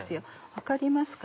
分かりますか？